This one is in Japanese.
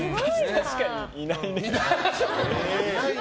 確かにいないね。